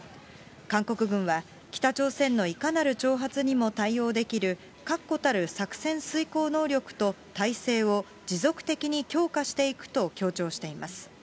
韓国軍は、北朝鮮のいかなる挑発にも対応できる確固たる作戦遂行能力と態勢を持続的に強化していくと強調しています。